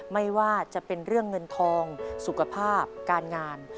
ไม่ว่าจะเป็นเรื่องเงินทองสุขภาพการงาน